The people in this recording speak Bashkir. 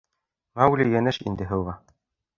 Маугли йәнәш инде һыуға.